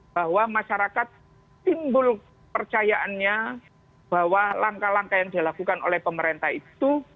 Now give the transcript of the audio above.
bahwa masyarakat timbul percayaannya bahwa langkah langkah yang dilakukan oleh pemerintah itu